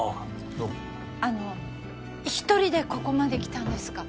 どうもあの一人でここまで来たんですか？